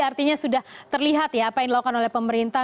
artinya sudah terlihat ya apa yang dilakukan oleh pemerintah